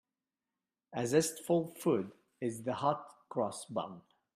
A zestful food is the hot-cross bun.